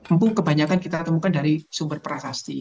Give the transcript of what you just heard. empu kebanyakan kita temukan dari sumber prasasti